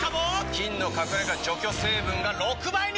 菌の隠れ家除去成分が６倍に！